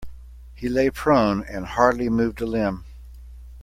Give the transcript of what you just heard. He lay prone and hardly moved a limb.